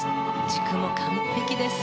時間も完璧です。